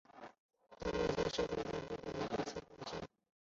登顶路线是行经北坳的北侧路线。